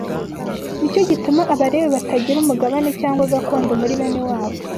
Ni cyo gituma Abalewi batagira umugabane cyangwa gakondo muri bene wabo